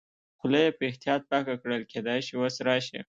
خوله یې په احتیاط پاکه کړل، کېدای شي اوس راشي.